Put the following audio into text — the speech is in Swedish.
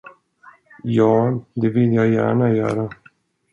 Ja, det vill jag gärna göra.